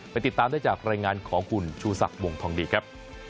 ติดตามได้จากรายงานของคุณชูศักดิ์วงทองดีครับ